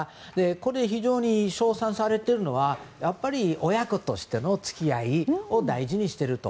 これ、非常に称賛されているのはやっぱり親子としての付き合いを大事にしていると。